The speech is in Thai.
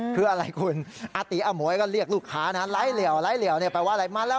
คืออะไรคุณอาตีอาหมวยก็เรียกลูกค้านะฮะไล่เหลวไล่เหลวนี่แปลว่าอะไร